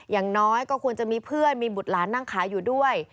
อย่างน้อยก็ควรจะมีเพื่อนมีบุตรหลานนั่งขายอยู่ด้วย